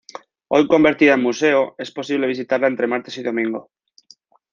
Hoy convertida en museo, es posible visitarla entre martes y domingo.